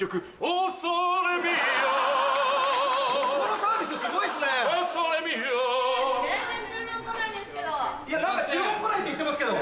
オー・ソレ・ミオ何か「注文こない」って言ってますけど。